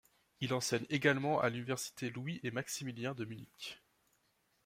Il enseigne également à l'université Louis-et-Maximilien de Munich.